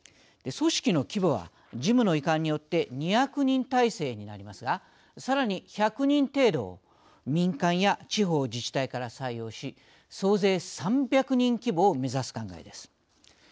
組織の規模は事務の移管によって２００人体制になりますがさらに１００人程度を民間や地方自治体から採用し総勢３００人規模を目指す考えです。